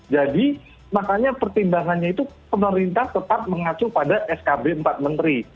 jadi makanya pertimbangannya itu pemerintah tetap mengacu pada skb empat menteri